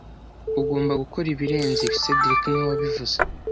Ugomba gukora ibirenze ibi cedric niwe wabivuze